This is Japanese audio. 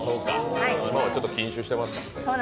そうか、ちょっと禁酒してますからね。